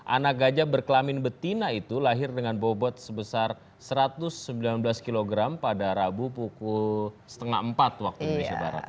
anak gajah berkelamin betina itu lahir dengan bobot sebesar satu ratus sembilan belas kg pada rabu pukul setengah empat waktu indonesia barat